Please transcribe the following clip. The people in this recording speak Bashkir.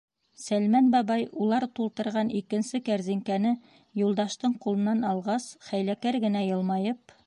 Сәлмән бабай, улар тултырған икенсе кәрзинкәне Юлдаштың ҡулынан алғас, хәйләкәр генә йылмайып: